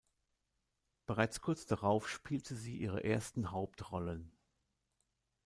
Bereits kurz darauf spielte sie ihre ersten Hauptrollen.